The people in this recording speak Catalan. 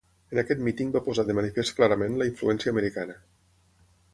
En aquest míting va posar de manifest clarament la influència americana.